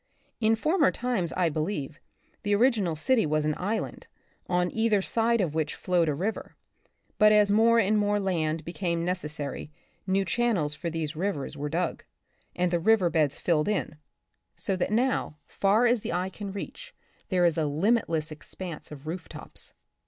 In former times, I believe, the original city was an island, on either side of which flowed a river; but as more and more land became necessary new channels for these rivers were dug, and the river beds filled in, so that now, // 1 6 The Republic of the Future, far as the eye can reach, there is a limitless expanse of roof tops.